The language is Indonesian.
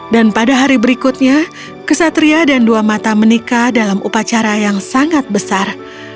dan pada hari berikutnya kesatria dan dua mata menikah dalam upacara yang sangat besar